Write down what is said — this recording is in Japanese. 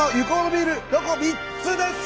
ビールロコ３つです！